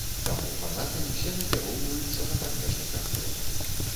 Таму фанаты ўсе накіроўваюцца на памежны кантроль.